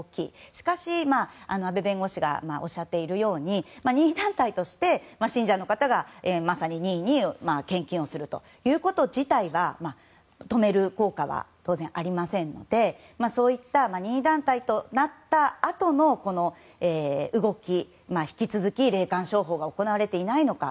しかし、阿部弁護士がおっしゃっているように任意団体として信者の方がまさに任意に献金をするということ自体は止める効果は当然ありませんのでそういった任意団体となったあとの動き引き続き霊感商法が行われていないのか。